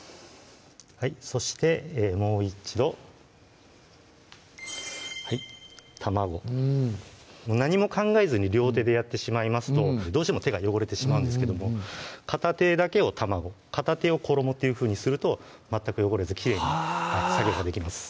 そしてもう一度卵うん何も考えずに両手でやってしまいますとどうしても手が汚れてしまうんですけども片手だけを卵片手を衣っていうふうにすると全く汚れずきれいに作業ができます